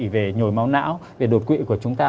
về nhồi máu não về đột quỵ của chúng ta